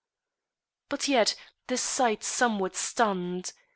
But yet the sight somewhat stunned.